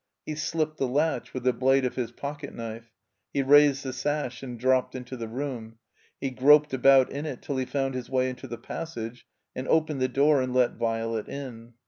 He slipped the latch with the blade of his pocket knife. He raised the sash and dropped into the room. He groped about in it till he fotmd his way into the passage and opened the door and let Violet in.